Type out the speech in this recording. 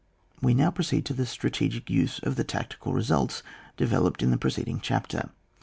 We now proceed to the strategic use of the tacticed results developed in the pre ceding chapter.